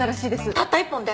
たった一本で？